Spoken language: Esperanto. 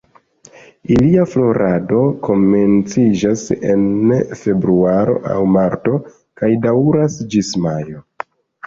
Ilia florado komenciĝas en Februaro aŭ Marto kaj daŭras ĝis Majo.